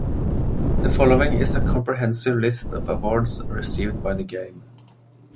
The following is a comprehensive list of awards received by the game.